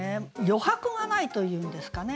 余白がないというんですかね。